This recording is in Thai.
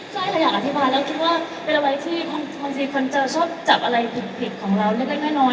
ใช่ค่ะอยากอธิบายแล้วคิดว่าเวลาไว้ที่ความซีควันเจอชอบจับอะไรผิดของเราเลือกเล่นให้น้อย